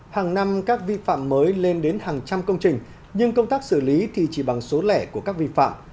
hàng năm các vi phạm mới lên đến hàng trăm công trình nhưng công tác xử lý thì chỉ bằng số lẻ của các vi phạm